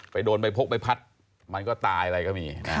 โดนไปพกไปพัดมันก็ตายอะไรก็มี